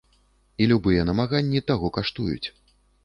І любыя намаганні таго каштуюць.